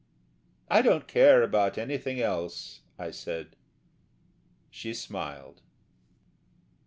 "I don't care about anything else," I said. She smiled.